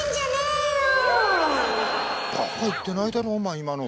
ばか言ってないだろお前今の。